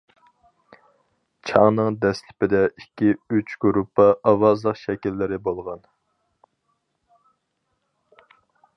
چاڭنىڭ دەسلىپىدە ئىككى ئۈچ گۇرۇپپا ئاۋازلىق شەكىللىرى بولغان.